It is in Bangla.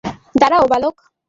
দাড়াও, বালক।